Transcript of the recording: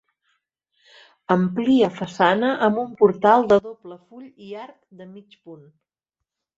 Amplia façana amb un portal de doble full i arc de mig punt.